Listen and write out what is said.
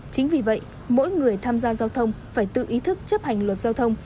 chính vì vậy mỗi người tham gia giao thông phải tự ý thức chấp hành luật giao thông